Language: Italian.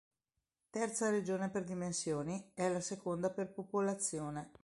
Terza regione per dimensioni, è la seconda per popolazione.